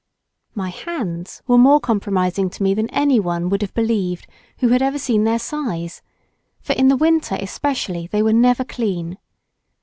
My hands were more compromising to me than anyone would have believed who had ever seen their size, for, in the winter especially, they were never clean.